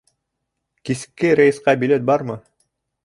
Киске рейсҡа билет бармы?